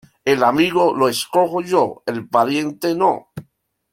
El amigo, lo escojo yo, el pariente, no.